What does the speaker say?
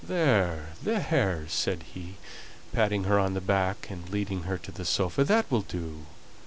"There, there!" said he, patting her on the back, and leading her to the sofa, "that will do.